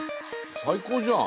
最高じゃん。